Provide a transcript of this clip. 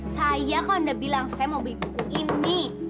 saya kan udah bilang saya mau beli buku ini